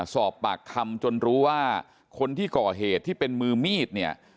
สอบปากคำจนรู้ว่าคนที่ก่อเหตุที่เป็นมือมีดเนี่ย